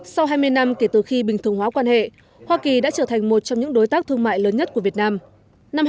sau hai mươi năm kể từ khi bình thường hóa quan hệ hoa kỳ đã trở thành một trong những đối tác thương mại lớn nhất của việt nam